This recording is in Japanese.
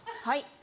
はい。